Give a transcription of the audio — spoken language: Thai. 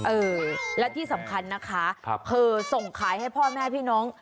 เออและที่สำคัญนะคะเธอส่งขายให้พ่อแม่พี่น้อง